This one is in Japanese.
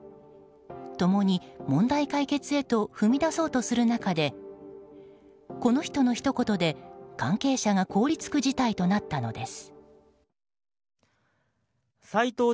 共に問題解決へと踏み出そうとする中でこの人のひと言で、関係者が凍り付く事態となったのです。